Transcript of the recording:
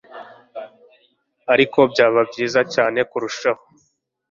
ariko byaba byiza cyane kurushaho